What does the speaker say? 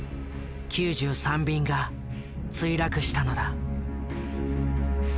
９３便が墜落したのだ。